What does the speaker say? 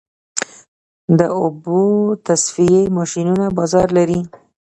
د اوبو تصفیې ماشینونه بازار لري؟